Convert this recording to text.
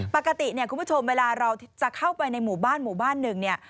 ปกติเนี่ยคุณผู้ชมเวลาเราจะเข้าไปในหมู่บ้านหมู่บ้านหนึ่งเนี่ย